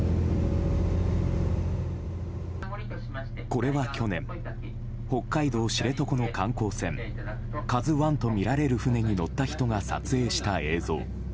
これは去年北海道知床の観光船「ＫＡＺＵ１」とみられる船に乗った人が撮影した映像。